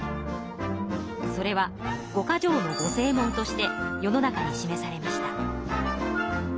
それは五か条の御誓文として世の中に示されました。